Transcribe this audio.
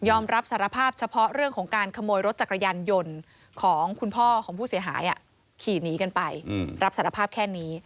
รับสารภาพเฉพาะเรื่องของการขโมยรถจักรยานยนต์ของคุณพ่อของผู้เสียหายขี่หนีกันไปรับสารภาพแค่นี้